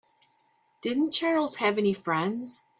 Didn't Charles have any friends?